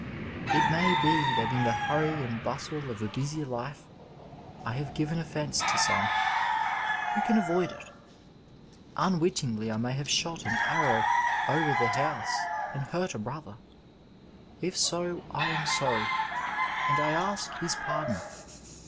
It may be that in the hurry and bustle of a busy life I have given offence to some — ^who can avoid it ! Unwittingly I may have shot an arrow o'er the house and hurt a brother — ^if so, I am sorry, and I ask his pardon.